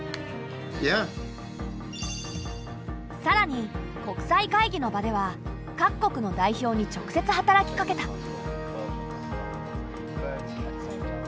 さらに国際会議の場では各国の代表に直接働きかけた。